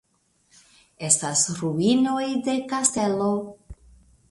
Estas ruinoj de kastelo.